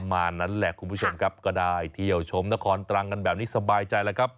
มานั้นแหละคุณผู้ชมครับก็ได้เที่ยวชมนครตรังกันแบบนี้สบายใจแล้วครับ